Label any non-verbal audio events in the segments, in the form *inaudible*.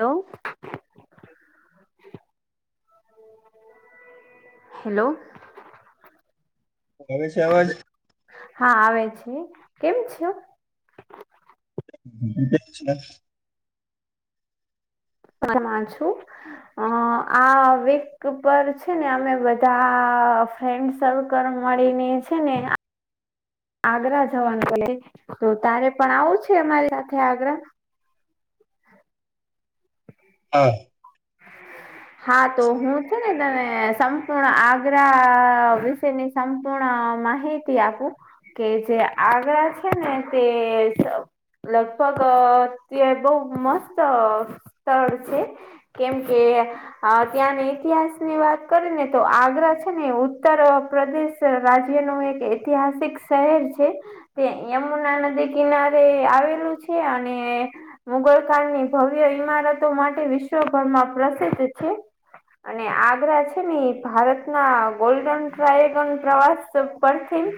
Hello. Hello. આવે છે, અવાજ. હા આવે છે, કેમ *unintelligible* *inaudible* *unintelligible* છું. *unintelligible* પર છે, ને અમે બધા ફ્રેન્ડ સર્કલ મળીને છે, ને આગ્રા જવાનું પલે તો તારે પણ આવું છે, અમારી સાથે આગ્રા. *inaudible* હા તો હું છે, ને તને સંપૂર્ણ આગ્રા વિશેની સંપૂર્ણ *unintelligible* કે જે આગ્ર છે, ને તે લગભગ ત્યા બહ મસ્ત સ્થળ છે કેમ કે અ ત્યાં ઇતિહાસ ની વાત કરી ને તો આગ્રા છે, ને ઉત્તર પ્રદેશ. રાજ્ય નું એક ઐતિહાસિક શહેર છે. તે યમુના નદી કિનારે આવેલું છે, અને. મુગલકાળની ભવ્ય ઈમારતો માટે વિશ્વભરમાં પ્રસિદ્ધ છે. અને આગ્રા છે ને ભારતના ગોલ્ડન ટ્રાયગન પ્રવાસ પરથીમ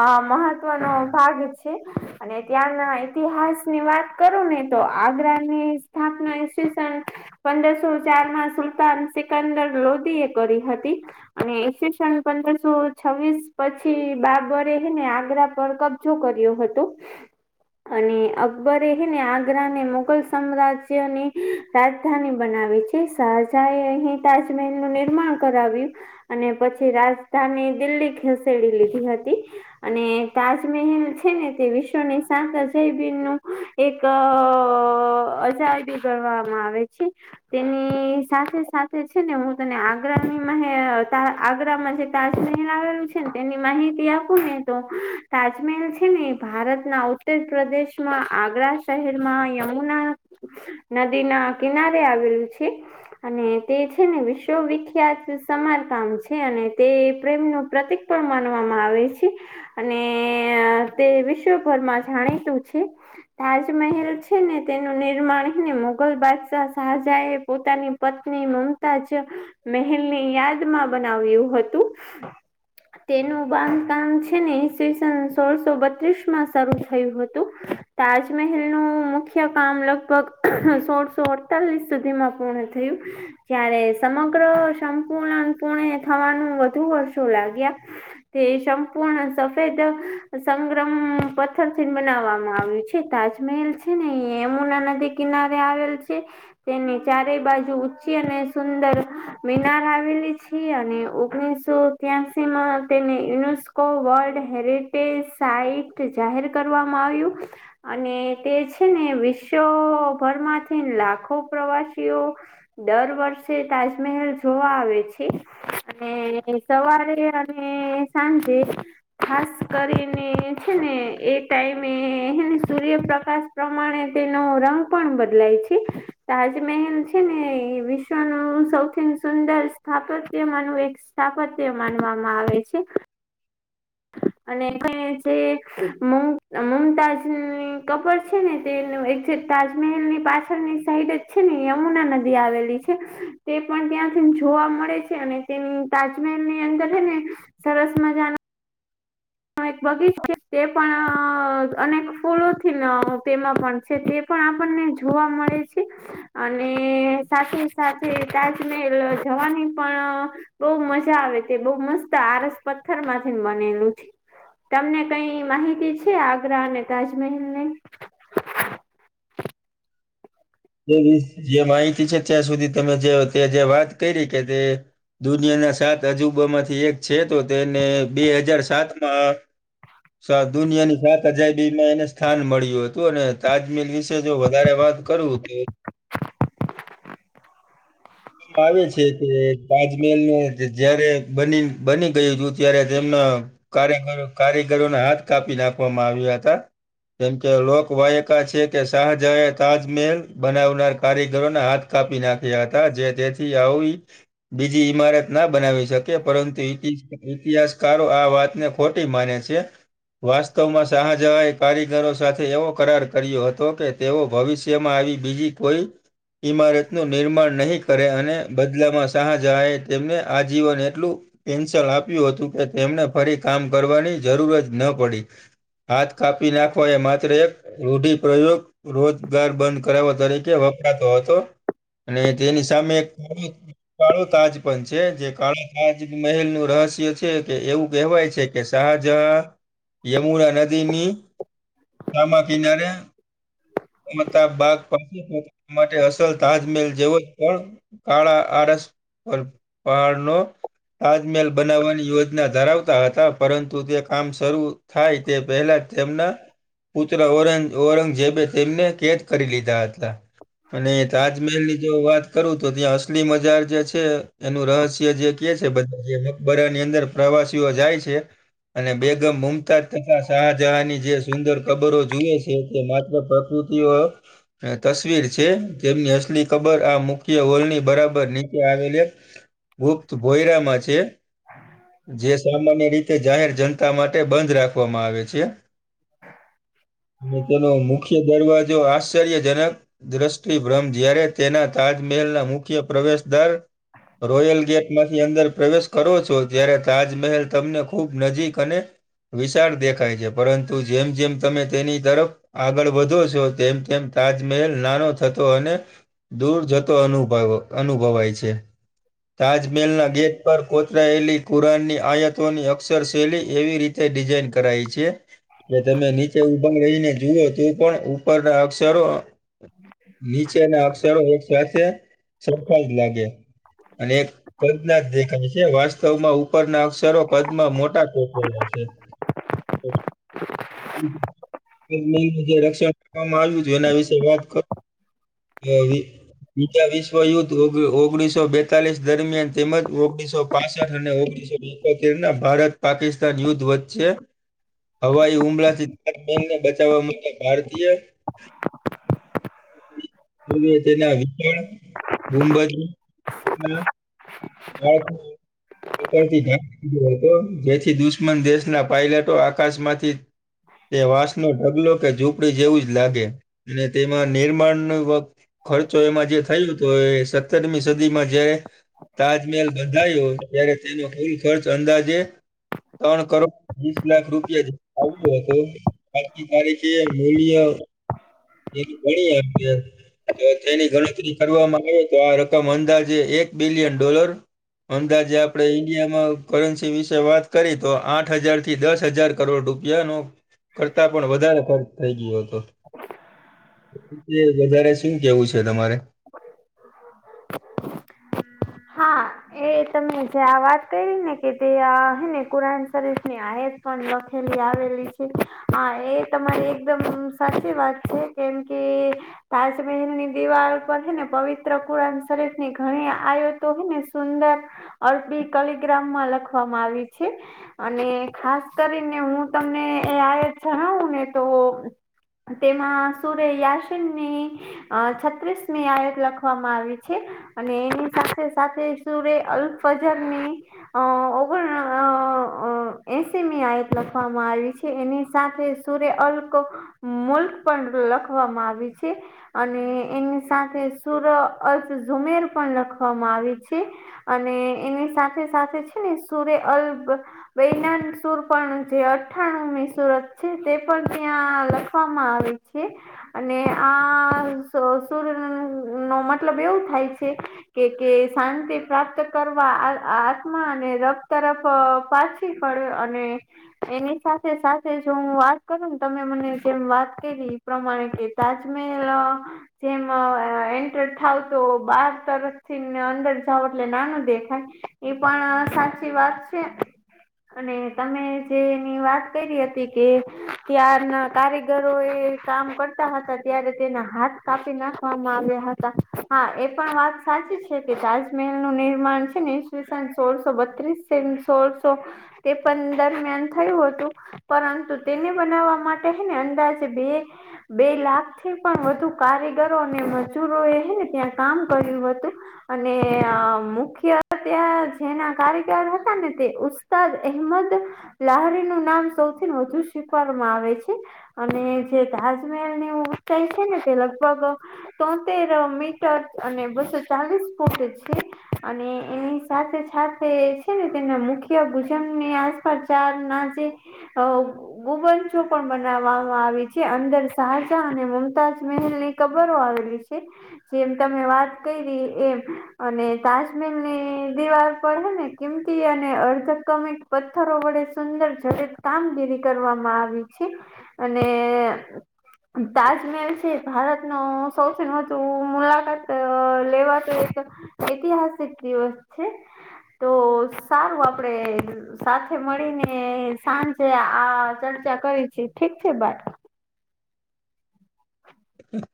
આ મહત્વનો ભાગ છે. અને ત્યાંના ઈતિહાસ ની વાત કરું ને તો આગ્રાની સ્થાપના પંદરસો ચાર માં સુલતાન સિકંદર લોધી એ કરી હતી અને સસન પંદરસો છવ્વીસ પછી બાબરે હેને આગ્રા પર ક તો કર્યો હતો અને અકબરે ને આગ્રાને મુઘલ સામ્રાજ્યને રાજ પ્રધાની બનાવે છે શાહજા એ અહીં તાજમહેલ નું નિર્માણ કરાવ્યું અને પછી રાજધાની દિલ્હી ખસેડી લીધી હતી અને તાજમહેલ છે ને તે વિશ્વની શંત અજયબીન નું એક અ અજારબી ગણવામાં આવે છે. તેની સાથે સાથે છે ને હું તને આગ્રાની મા આગ્રામાં જે તાજમહેલ આવેલું છે ને તેની માહિતી આપો ને તો તાજમહેલ છે ને એ ભારતના ઉત્તર પ્રદેશમાં આગ્રા શહેરમાં યમુના નદીના કિનારે આવેલું છે. અને તે છે ને વિશ્વવિખ્યાત સમારકામ છે અને તે પ્રેમનું પ્રતિક પણ માનવામાં આવે છે. અને તે વિશ્વભરમાં જાણીતું છે. તાજમહેલ છે ને તેનું નિર્માણને મુગલ બાદ શજા એ પોતાની પત્ની મમતા જ મહેલ નેની યાદમાં બનાવ્યું હતું તેનું બાંધકામ છે ને ઈસ્વીસન સોળસો બત્રીસ માં શરૂ થયું હતું તાજમહેલ નું મુખ્ય કામ લગભગ સોળ સોળ લીસ સુધીમાં પૂર્ણ થયું જ્યારે સમગ્ર સંપૂર્ણ પણે થવાનું વધુ વર્ષો લાગ્યા તે સંપૂર્ણ સફેદ સંગ્રમ પથ્થરથી બનાવવામાં આવ્યું છે. તાજમહેલ છે ને એમુના નદી કિનારે આવેલ છે. તેની ચારેય બાજુ ઉચ્ચી અને સુંદર મિનાર આવેલી છે અને ઓગણીસો અત્યાસીમાં તેને યુનેસ્કો વર્લ્ડ હેરિટેજ સાઈટ જાહેર કરવામાં આવ્યું અને તે છે ને વિશ્વભરમાં લાખો પ્રવાસીઓ દર વર્ષે તાજમહેલ જોવા આવે છે. અને સવારે અને સાંજે ખાસ કરીને છે ને એ ટાઈમેને સૂર્યપ્રકાશ પ્રમાણે તેનો રંગ પણ બદલાય છે. તાજ મહેલ છે ને વિશ્વનું સૌથી સુંદર સ્થાપત્ય માનું એક સ્થાપત્ય માનવામાં આવે છે. અને જે મમતાજની કપડ છે ને તેનું એક તાજમહેલ ની પાછળની સાઈડ જ છે ને યમુના નદી આવેલી છે. તે પણ ત્યાંથી જોવા મળે છે અને તેની તાજમહેલ ની અંદર છે ને સરસ મજાના એક બગીચ છે તે પણ અનેક ફૂલોથી તેમાં પણ છે તે પણ આપણને જોવા મળે છે. અને સાથે સાથે તાજમહેલ જવાની પણ બઉ મજા આવે તે બઉ મસ્ત આરસ પથ્થર માંથી બનેલું છે. તમને કઈ માહિતી છે આગ્રા અને તાજમહેલ ની? એ જે માહિતી છે ત્યાં સુધી તમે જે જે વાત કરી કે તે દુનિયાના સાત અજુબામાંથી એક છે તો તેને બે હજાર સાત માં સાત દુનિયાની સાત અજાબીમાં એને સ્થાન મળ્યું હતું અને તાજમેલ વિશે જો વધારે વાત કરું તો આવે છે કે તાજમહેલ ન જયારે બની બની ગયું હતું ત્યારે તેમના કારીગરો કારીગરોને હાથ કાપી નાખવામાં આવ્યા હતા. કેમ કે લોક વાયકા છે કે શાહજા એ તાજમહેલ બનાવનાર કારીગરોના હાથ કાપી નાખ્યા હતા જે તેથી આવી બીજી ઈમારત ના બનાવી શકે પરંતુ ઈ જી ઇતિહાસકારો આ વાતને ખોટી માને છે. વાસ્તવમાં શાહજાહએ કારીગરો સાથે એવો કરાર કર્યો હતો કે તેઓ ભવિષ્યમાં આવી બીજી કોઈ ઈમારતનું નિર્માણ નહી કરે અને બદલામાં શાહજાહ એ તેમને આજીવન એટલું પેન્શલ આપ્યું હતું કે તેમને ફરી કામ કરવાની જરૂર જ ન પડી. હાથ કાપી નાખો એ માત્ર એક રૂઢિ પ્રયોગ રોજગાર બંધ કરાવવા તરીકે વપરાતો હતો અને તેની સામે ખો કાળો તાજ પણ છે જે કાળો તાજ મહેલ નું રહસ્ય છે કે એવું કહેવાય છે કે શાહજહ યમુરા નદીની સામા કિનારે *unintelligible* બાગ *unintelligible* માટે અસલ તાજમહેલ જેવો જ પણ કાળા આરસ પર પહાડનો તાજમેહેલ બનાવવાની યોજના ધરાવતા હતા પરંતુ તે કામ શરૂ થાય તે પહેલા તેમના પુત્ર ઔરંગ ઔરંગજેબે તેમને કેદ કરી લીધા હતા અને તાજમહેલ ની જો વાત કરું તો ત્યાં અસલી મજાર જે છે એનું રહસ્ય જે કે છે બધા બરા ની અંદર પ્રવાસીઓ જાય છે અને બેગમ મુમતાજ તથા શાહજહાની જે સુંદર કબરો જુએ છે તે માત્ર સ્તિઓય તસવીર છે તેમની અસલી કબર આ મુખ્ય હોલની બરાબર નીચે આવેલી ગુપ્ત ભોયરામાં છે જે સામાન્ય રીતે જાહેર જનતા માટે બંધ રાખવામાં આવે છે લોકો નો મુખ્ કે દરવાજો આશ્ચર્યજનક દ્રષ્ટિભ્રમ જ્યારે તેના તાજમહેલના મુખ્ય પ્રવેશદર રોયલ ગેટ માંથી અંદર પ્રવેશ કરો છો ત્યારે તાજમહેલ તમને ખૂબ નજીક અને વિશાળ દેખાય છે પરંતુ જેમ જેમ તમે તેની તરફ આગળ વધો છો તેમ તેમ તાજમહેલ નાનો થતો અને દૂર જતો અનુભ અનુભવાય છે તાજમહેલના ગેટ પર કોતરાયેલી કુરાનની આયાતોની અક્ષરશૈલી એવી રીતે ડિઝાઇન કરાઈ છે એ તમે નીચે ઉભંગ રહીને જુઓ તું પણ ઉપરના અક્ષરો નીચેના અક્ષ ચારો ઔર સાથે સરખા જ લાગે. અને એક પજ્ઞ દેખાય છે વાસ્તવમાં ઉપર ના અક્ષરો કદમાં મોટા કોટ વેલા છે. જે રક્ષણ કરવામાં આવ્યું છે એના વિશે વાત કરો. કેરી બીજા વિશ્વયુદ્ધ ઓગણીસો બેતાલીસ દરમિયાન તેમજ ઓગણીસો પાસઠ અને ઓગણીસો એકોતર ના ભારત પાકિસ્તાન યુદ્ધ વચ્ચે હવાઈ હુમલાથી બનને બચાવવા માટે ભારતીય *inaudible* તેના *unintelligible* ગુંબજ ના *inaudible* *unintelligible* હતો જેથી દુશ્મન દેશના પાયલટો આકાશમાંથી તે વાંસનો ઢગલો કે ઝૂંપડી જેવું જ લાગે અને તેમાં નિર્માણ વ ખર્ચો એમાં જે થુંયલો હતો એ સત્તરમી સદીમાં જયારે તાજમહેલ બંધાયો ત્યારે તેનો મૂલ ખર્ચ અંદાજે ત્રણ કરોડ વીસ લાખ રૂપિયા જે આવ્યો હતો આજની તારીખે મૂલ્ય એ ગણી આપ જો તેની ગણતરી કરવામાં આવે તો આ રકમ અંદાજે એક બિલિયન ડોલર અંદાજે આપણે ઈન્ડિયામાં કરન્સી વિશે વાત કરી તો આઠ હજાર થી દસ હજાર કરોડ રૂપિયા નો કરતા પણ વધારે ખર્ચ થઈ ગયો હતો વધારે શું કેવું છે તમારે બ *unintelligible* હા એ તમે જે આ વાત કરી ને કે તે હેને કુરાન શરીફ ની પણ લખેલી આવેલી છે હા એ તમારી એકદમ સાચી વાત છે. કેમ ત સમે હ દીવા ઉપર હને પવિત્ર પુરા શરીર ની ઘણી આયુતો હોય ને સુંદર અરપી કલીિગ્રામ માં લખવામાં આવી છે. અને ખાસ કરીને હું તમને આ જણાવું ને તો તેમાં સૂર્ય યાસનની છત્રીસમી આયોગ લખવામાં આવી છે અને એની સાથે સાથે સુરે અલ ફજની અ ઓગણ એસીમની આયત લખવામાં આવી છે. એની સાથે સૂર્ય અલ્ક મુલ્ક પણ લખવામાં આવી છે. અને એની સાથે સુર અલ્થ ઝુમેર પણ લખવામાં આવે છે. અને એની સાથે સાથે છે ને સુૂર અલ્બ વૈનાન સુર પણ જે અઠ્ઠાણુંમી સુરત છે તે પણ ત્યાં લખવામાં આવી-' છે અને આ સર નોમ મતલબ એવું થાય છે. કે કે શાંતિ પ્રાપ્ત કરવા આત્માને રપ તરફ પાછ કરે અને એની સાથે સાથે જો હું વાત કરું ને તમે મને જેમ વાત કરી પ્રમાણે કે તાજમહેલ જેમાં એન્ટર થાવ તો બાર તરફથીને અંદર જાવ એટલે નાનું દેખાય એ પણ સાચી વાત હ અને તમે જેની વાત કરી હતી કે ત્યાારના કારીગરો એ કામ કરતા હતા ત્યારે તેના હાથ કાપી નાખવામાં આવ્યા હતા. હા એ પણ વાત સાચી છે કે તાજમહેલ નું નિર્માણ છે ઈસ્વીસન સોળસો બત્રીસ સોળસો તે પણ દરમિયાન થયું હતું. પરંતુ તેને બનાવવા માટે છે ને અંદાજે બે બે લાખ થી પણ વધુ કારીગરો ને એ ને ત્યાં કામ કર્યું હતું. અને મુખ્ય ત્યાં જેના કાર્યગર હતા ને તે અહેમદ લહારી નું નામ સૌથી વધુ શીખવામાં આવે છે. અને જે તાજમહેલની ઉંચાઈ છે ને તે લગભગ તોતેર મીટર અને બસો ચાલીસ ફૂટ છે. અને એની સાથે સાથે છે ને તેમના મુખ્ય ભુજનને આ ખરચાર ના જે અ બુબન છો પણ બનાવવામાં આવી છે અંદર શહજા અને મુમતાજ મહેલ ની કબરો આવેલી. જેમ તમે વાત કરી એમ અને તાજમહેલ ની દિવાલ પર હે ને કિંમતી અને અર્ધક તમે? પથ્થરો વડે સુંદર જડિત કામગીરી કરવામાં આવી છે. અને તાજમહેલ છે ભારતનો સૌથી મોું *inaudible* મુલાકાત લેવા તો ઐતિહાસિક દિવસ છે તો સારું આપડે સાથે મળી ને સાંજે આ ચર્ચા કરી છે ઠીક છે બટ હમ *inaudible*